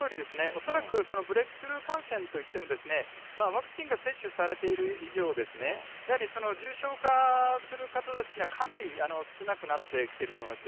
恐らくブレークスルー感染といっても、ワクチンが接種されている以上ですね、やはり重症化する方たちというのは、かなり少なくなってきていると思います。